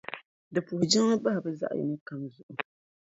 Di puhi jiŋli m-bahi bɛ zaɣiyino kam zuɣu.